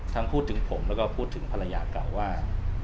พูดถึงผมแล้วก็พูดถึงภรรยาเก่าว่า